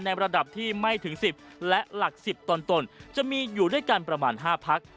ระดับที่ไม่ถึง๑๐และหลัก๑๐ตนจะมีอยู่ด้วยกันประมาณ๕พัก